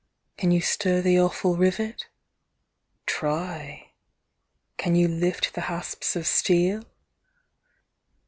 can you stir the awful rivet? Try! can you lift the hasps of steel?